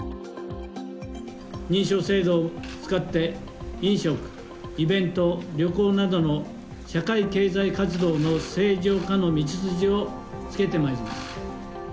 認証制度を使って、飲食、イベント、旅行などの社会経済活動の正常化の道筋をつけてまいります。